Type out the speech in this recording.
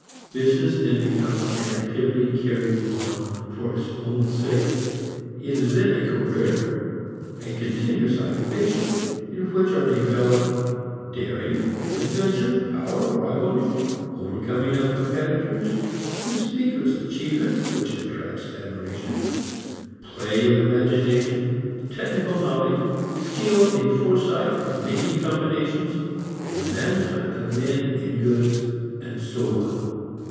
Business then becomes an activity carried on for its own sake. It is then a career, a continuous occupation in which are developed daring, adventure, power, rivalry, overcoming of competitors, conspicuous achievement which attracts admiration, play of imagination, technical knowledge, skill in foresight and making combinations, management of men and goods and so on.